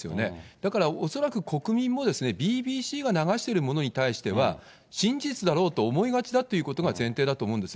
だから、恐らく国民も、ＢＢＣが流しているものに対しては、真実だろうと思いがちだということが前提だと思うんです。